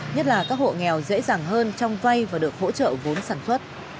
nhất là các hộ nghèo dễ dàng hơn trong vay và được hỗ trợ vốn sản xuất